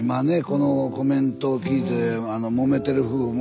このコメントを聞いてもめてる夫婦